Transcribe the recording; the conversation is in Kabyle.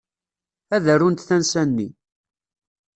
Ad arunt tansa-nni.